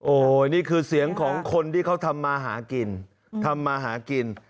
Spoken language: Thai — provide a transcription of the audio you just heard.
โอ้โหนี่คือเสียงของคนที่เขาทำมาหากินทำมาหากิน